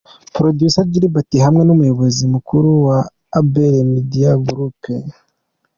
Producer Gilbert hamwe n'umuyobozi mukuru wa Abbey Media group.